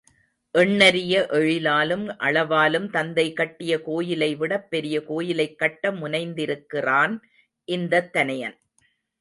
எண்ணரிய எழிலாலும் அளவாலும் தந்தை கட்டிய கோயிலை விடப் பெரிய கோயிலை கட்ட முனைந்திருக்கிறான் இந்தத் தனயன்.